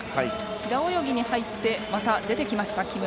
平泳ぎに入ってまた出てきた木村。